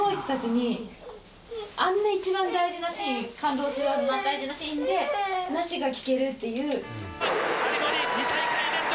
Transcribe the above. あんな一番大事なシーン感動する大事なシーンで話が聞けるっていう。